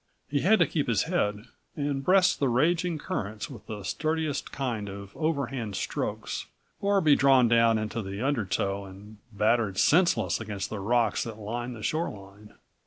He had to keep his head and breast the raging currents with the sturdiest kind of overhand strokes, or be drawn down into the undertow and battered senseless against the rocks that lined the shoreline.